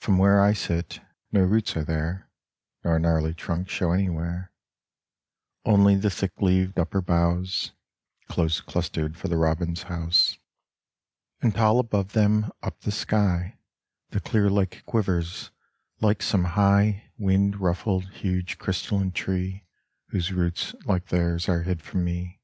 From where I sit, no roots are there Nor gnarly trunks show anywhere : Only the thick leaved upper boughs Close clustered for the robin's house. And tall above them up the sky The clear lake quivers like some high Wind ruffled huge crystalline tree Whose roots like theirs are hid from me.